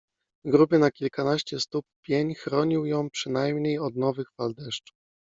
Gruby na kilkanaście stóp pień chronił ją przynajmniej od nowych fal deszczu.